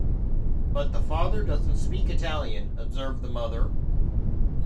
But the father doesn't speak Italian, observed the mother.